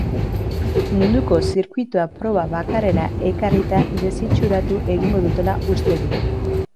Munduko zirkuitoa proba bakarrera ekarrita desitxuratu egin dutela uste du.